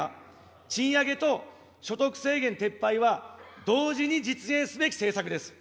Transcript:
賃上げと所得制限撤廃は同時に実現すべき政策です。